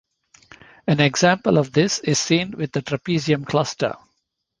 An example of this is seen with the Trapezium cluster.